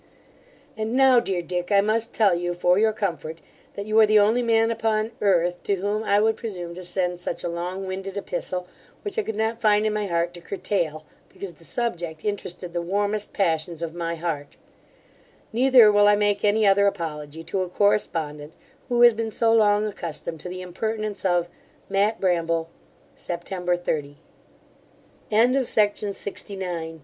And now, dear Dick, I must tell you for your comfort, that you are the only man upon earth to whom I would presume to send such a longwinded epistle, which I could not find in my heart to curtail, because the subject interested the warmest passions of my heart; neither will I make any other apology to a correspondent who has been so long accustomed to the impertinence of MATT. BRAMBLE Sept. 30. To Sir WATKIN PHILLIPS, Bart. at Ox